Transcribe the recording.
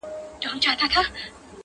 فخر په پلار او په نیکونو کوي-